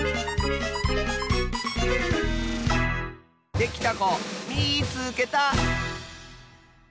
できたこみいつけた！